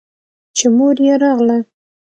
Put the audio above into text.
چې مور يې راغله.